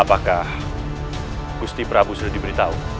apakah gusti prabu sudah diberitahu